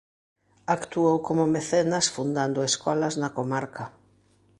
Actuou como mecenas fundando escolas na comarca.